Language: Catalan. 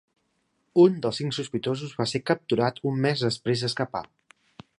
Un dels cinc sospitosos va ser capturat un mes després d'escapar.